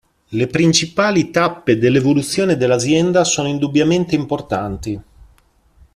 Le principali tappe dell'evoluzione dell'azienda sono indubbiamente importanti.